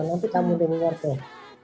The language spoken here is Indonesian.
nanti kamu denger deh